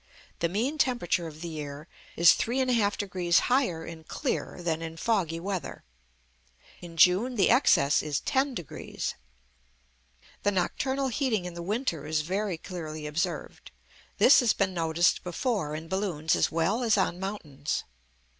The mean temperature of the year is 3 1/2 degrees higher in clear than in foggy weather. In June the excess is 10 degrees. The nocturnal heating in the winter is very clearly observed. This has been noticed before in balloons as well as on mountains.